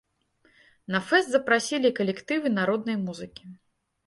На фэст запрасілі калектывы народнай музыкі.